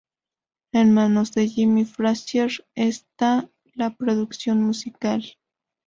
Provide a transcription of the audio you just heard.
En manos de Jimmy Frazier está la producción musical.